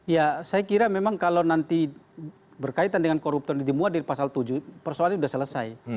ya saya kira memang kalau nanti berkaitan dengan koruptor ini dimuat di pasal tujuh persoalannya sudah selesai